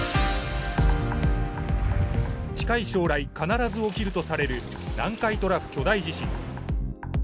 近い将来必ず起きるとされる南海トラフ巨大地震。